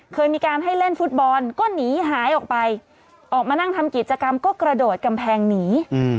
เคยมีการให้เล่นฟุตบอลก็หนีหายออกไปออกมานั่งทำกิจกรรมก็กระโดดกำแพงหนี